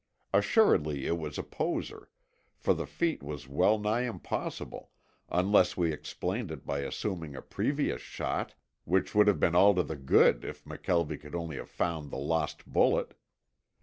Assuredly it was a poser, for the feat was well nigh impossible, unless we explained it by assuming a previous shot, which would have been all to the good if McKelvie could only have found the lost bullet.